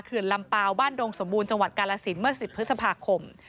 ลำเปล่าบ้านดงสมบูรณ์จังหวัดกาลสินเมื่อ๑๐พฤษภาคม